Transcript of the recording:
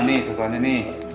nih contohannya nih